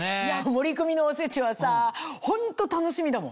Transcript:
森クミのおせちはさホント楽しみだもん。